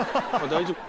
大丈夫。